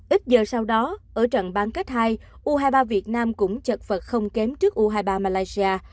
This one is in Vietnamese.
ít giờ sau đó ở trận bán kết hai u hai mươi ba việt nam cũng chật vật không kém trước u hai mươi ba malaysia